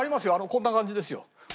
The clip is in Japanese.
こんな感じですよ。